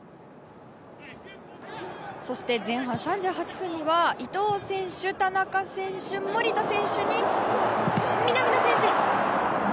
そして、前半３８分には伊東選手、田中選手、守田選手に南野選手！